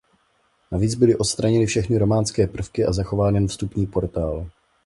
Navíc byly odstraněny všechny románské prvky a zachován jen vstupní portál.